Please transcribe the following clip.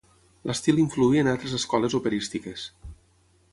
L'estil influí en altres escoles operístiques.